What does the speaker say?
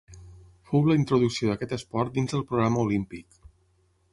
Fou la introducció d'aquest esport dins del programa olímpic.